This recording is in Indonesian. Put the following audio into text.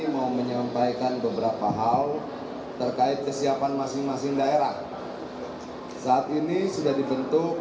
mau menyampaikan beberapa hal terkait kesiapan masing masing daerah saat ini sudah dibentuk